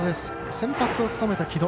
先発を務めた城戸。